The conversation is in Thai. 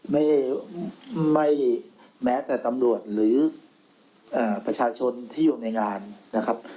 ไม่ไม่แม้แต่ตำรวจหรือประชาชนที่อยู่ในงานนะครับ